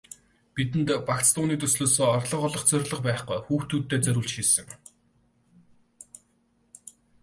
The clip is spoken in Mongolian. Бидэнд багц дууны төслөөсөө орлого олох зорилго байхгүй, хүүхдүүддээ зориулж хийсэн.